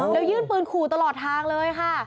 แล้วยื่นปืนขู่ตลอดทางเลยค่ะ